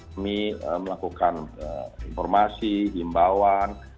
kami melakukan informasi bimbawan